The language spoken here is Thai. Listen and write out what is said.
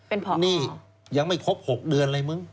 เป็นผออ๋อโอ้โหนี่ยังไม่ครบ๖เดือนเลยมึง